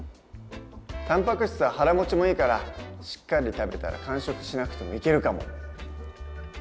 たんぱく質は腹もちもいいからしっかり食べたら間食しなくてもいけるかも。